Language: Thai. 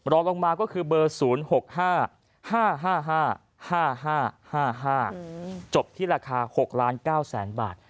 รอลงมาก็คือเบอร์๐๖๕๕๕จบที่ราคา๖ล้าน๙แสนบาท